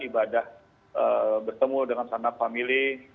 ibadah bertemu dengan sanak family